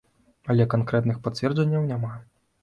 Але канкрэтных пацвярджэнняў няма.